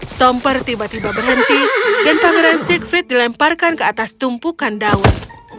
stomper tiba tiba berhenti dan pangeran sig frit dilemparkan ke atas tumpukan daun